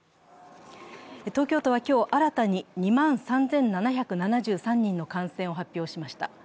東京都は今日新たに２万３７７３人の感染を発表しました。